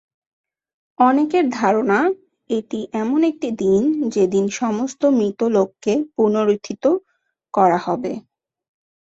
অনেকের ধারণা, এটি এমন একটি দিন যেদিন সমস্ত মৃত লোককে পুনরুত্থিত করা হবে।